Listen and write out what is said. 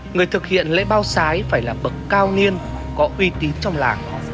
người thực hiện lễ bao sải phải là bậc cao niên có uy tín trong làng